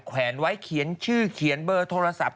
แวนไว้เขียนชื่อเขียนเบอร์โทรศัพท์